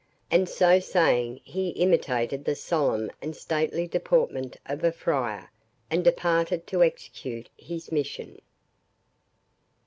And so saying he imitated the solemn and stately deportment of a friar, and departed to execute his mission.